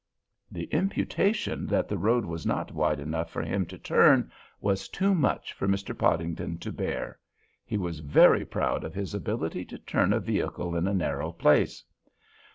The imputation that the road was not wide enough for him to turn was too much for Mr. Podington to bear. He was very proud of his ability to turn a vehicle in a narrow place.